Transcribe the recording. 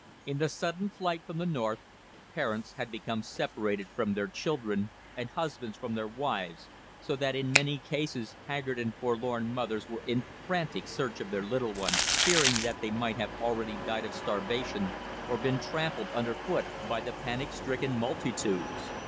In the sudden flight from the north, parents had become separated from their children and husbands from their wives, so that in many cases haggard and forlorn mothers were in frantic search of their little ones, fearing that they might have already died of starvation or been trampled underfoot by the panic stricken multitudes.